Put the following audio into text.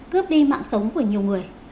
cướp đi mạng sống của nhiều người